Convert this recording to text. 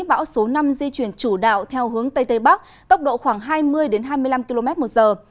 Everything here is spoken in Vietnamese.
bão số năm di chuyển chủ đạo theo hướng tây tây bắc tốc độ khoảng hai mươi hai mươi năm km một giờ